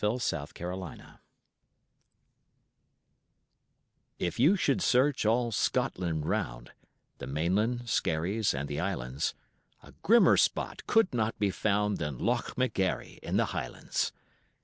THE WRECK ON LOCH McGARRY If you should search all Scotland round, The mainland, skerries, and the islands, A grimmer spot could not be found Than Loch McGarry in the Highlands.